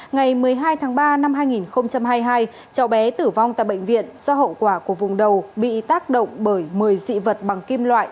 ngày một mươi hai tháng ba năm hai nghìn hai mươi hai cháu bé tử vong tại bệnh viện do hậu quả của vùng đầu bị tác động bởi một mươi dị vật bằng kim loại